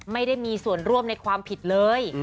ไม่ได้มีส่วนร่วมในความผิดเลย